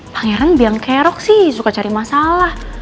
pangeran bilang kerok sih suka cari masalah